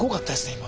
今。